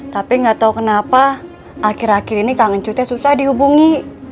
tapi tidak tahu kenapa akhir akhir ini kang ncu susah dihubungi